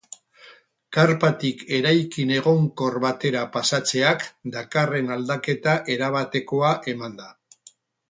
Karpatik eraikin egonkor batera pasatzeak dakarren aldaketa erabatekoa eman da.